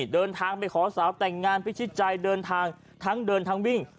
เดินทางไปขอสาวแต่งงานพิชิตใจเดินทางทั้งเดินทั้งวิ่ง